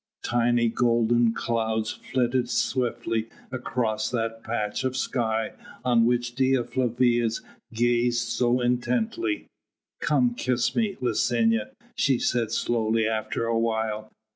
Tiny golden clouds flitted swiftly across that patch of sky on which Dea Flavia gazed so intently. "Come kiss me, Licinia," she said slowly after a while.